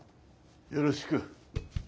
よろしく。